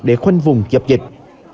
để khoanh vùng dập dịch